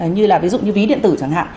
như là ví dụ như ví điện tử chẳng hạn